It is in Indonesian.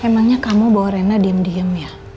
emangnya kamu bawa rena diem diem ya